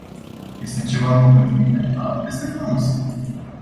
Este ceva nou pentru mine, dar este frumos.